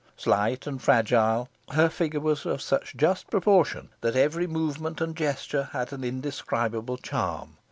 Slight and fragile, her figure was of such just proportion that every movement and gesture had an indescribable charm.